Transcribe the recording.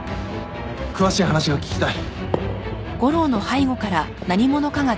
詳しい話が聞きたい。